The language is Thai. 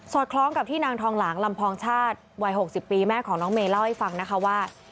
คล้องกับที่นางทองหลางลำพองชาติวัย๖๐ปีแม่ของน้องเมย์เล่าให้ฟังนะคะว่า